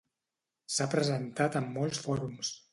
S'ha presentat en molts fòrums.